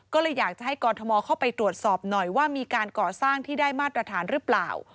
ก็เลยอยากจะให้กรทมเข้าไปตรวจสอบหน่อยว่ามีการก่อสร้างที่ได้มาตรฐานหรือเปล่า